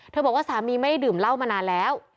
บอกว่าสามีไม่ได้ดื่มเหล้ามานานแล้ว